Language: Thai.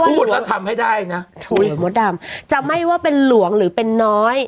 พูดแล้วทำให้ได้นะมดดำจะไม่ว่าเป็นหลวงหรือเป็นน้อย